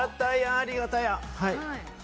ありがたや！